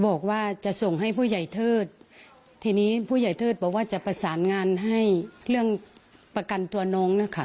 บอกว่าจะส่งให้ผู้ใหญ่เทิดทีนี้ผู้ใหญ่เทิดบอกว่าจะประสานงานให้เรื่องประกันตัวน้องนะคะ